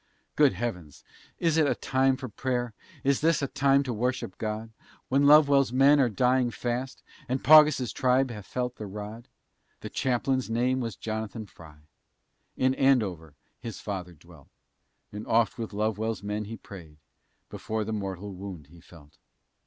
Good heavens! Is this a time for pray'r? Is this a time to worship God? When Lovewell's men are dying fast, And Paugus' tribe hath felt the rod? The Chaplain's name was Jonathan Frye; In Andover his father dwelt, And oft with Lovewell's men he'd prayed, Before the mortal wound he felt.